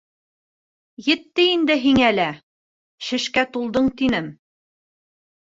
Етте инде һиңә лә, шешкә тулдың, тинем.